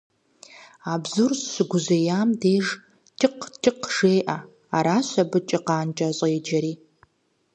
А бзур щыгужьеям деж «чыкъ-чыкъ» жеӀэ, аращ абы чыкъанкӀэ щӀеджэри.